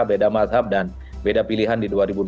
beda mazhab dan beda pilihan di dua ribu dua puluh